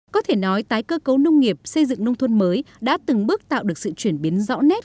có thể nói tái cơ cấu nông nghiệp xây dựng nông thôn mới đã từng bước tạo được sự chuyển biến rõ nét